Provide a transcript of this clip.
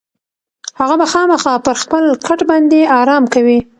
هغه به خامخا پر خپل کټ باندې ارام کوي.